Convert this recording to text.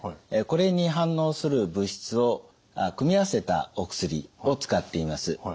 これに反応する物質を組み合わせたお薬を使っています。